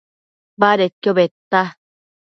Badedquio bëdta